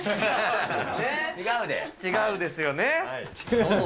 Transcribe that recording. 違うですよね。